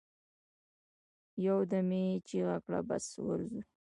يودم يې چيغه کړه! پسې ورځو.